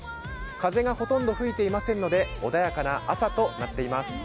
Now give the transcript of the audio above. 風がほとんど吹いていませんので、穏やかな朝となっています。